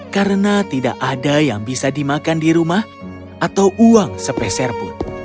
karena tidak ada yang bisa dimakan di rumah atau uang sepeserpun